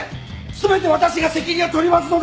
全て私が責任を取りますので！